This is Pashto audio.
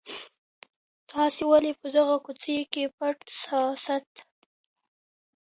تاسي ولي په دغه کوڅې کي پټ سواست؟